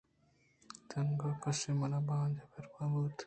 تنیگہ کسّچہ من باج بر نہ بُوتگ